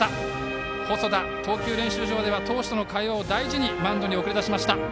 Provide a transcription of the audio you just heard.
細田、投球練習場では投手との会話を大事にマウンドに送りました。